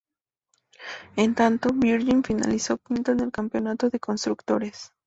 En tanto, Virgin finalizó quinto en el campeonato de constructores.